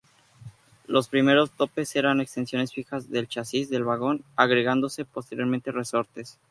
Los primeros topes eran extensiones fijas del chasis del vagón, agregándose posteriormente resortes.